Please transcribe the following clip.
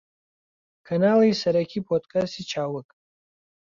کەناڵی سەرەکی پۆدکاستی چاوگ